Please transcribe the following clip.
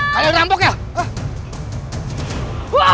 kalian rambok ya